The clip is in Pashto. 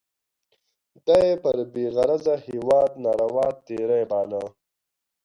دا یې پر بې غرضه هیواد ناروا تېری باله.